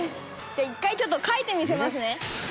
１回ちょっと描いてみせますね。